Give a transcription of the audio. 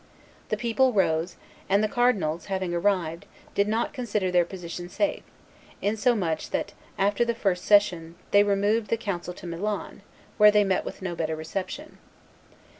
The people rose, and the cardinals, having arrived, did not consider their position safe; insomuch that after the first session they removed the council to Milan, where they met with no better reception.